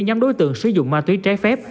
nhắm đối tượng sử dụng ma túy trái phép